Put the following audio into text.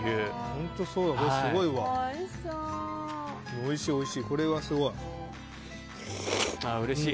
おいしいおいしい。